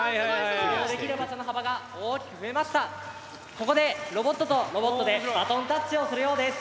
ここでロボットとロボットでバトンタッチをするようです。